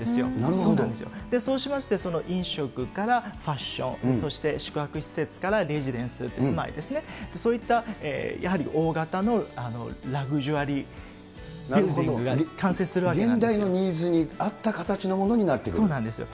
そうなんですよ、そうしまして、飲食からファッション、そして宿泊施設からレジデンス、住まいですね、そういったやっぱり大型のラグジュアリービルディングが完成する現代のニーズに合った形のもそうなんですよ。